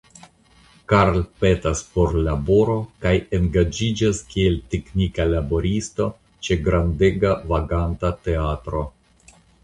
Karl petas por laboro kaj engaĝiĝas kiel "teknika laboristo" ĉe grandega vaganta teatro.